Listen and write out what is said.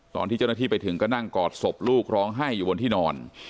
ตอนที่เจ้าหน้าที่ไปถึงก็นั่งกอดศพลูกร้องไห้อยู่บนที่นอน